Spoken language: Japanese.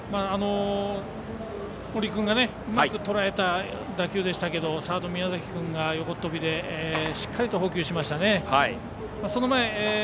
森君がうまくとらえた打球でしたがサードの宮崎君が横っ飛びでしっかり捕球しました。